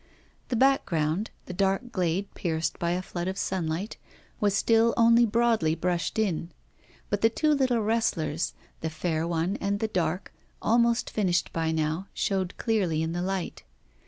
The background the dark glade pierced by a flood of sunlight was still only broadly brushed in. But the two little wrestlers the fair one and the dark almost finished by now, showed clearly in the light.